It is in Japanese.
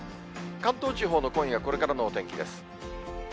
関東地方の今夜これからのお天気です。